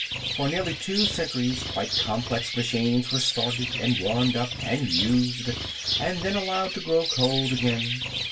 For nearly two centuries quite complex machines were started, and warmed up, and used, and then allowed to grow cold again.